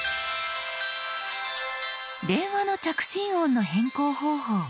電話の着信音の変更方法。